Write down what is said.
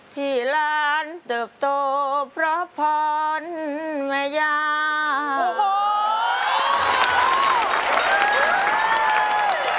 ที่หลานเติบโตเพราะพรแม่ยา